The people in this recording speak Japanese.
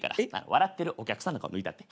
笑ってるお客さんの顔抜いたって。